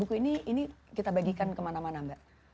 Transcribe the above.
buku ini ini kita bagikan kemana mana mbak